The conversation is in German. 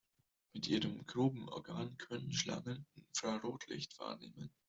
Mit ihrem Grubenorgan können Schlangen Infrarotlicht wahrnehmen.